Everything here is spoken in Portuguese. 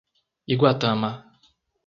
Iguatama